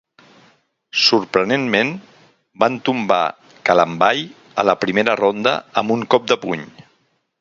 Sorprenentment, van tombar Kalambay a la primera ronda amb un cop de puny.